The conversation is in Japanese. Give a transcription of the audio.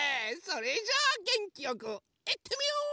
それじゃあげんきよくいってみよう！